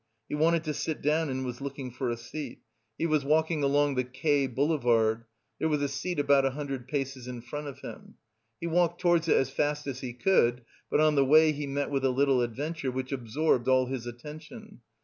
He wanted to sit down and was looking for a seat; he was walking along the K Boulevard. There was a seat about a hundred paces in front of him. He walked towards it as fast he could; but on the way he met with a little adventure which absorbed all his attention.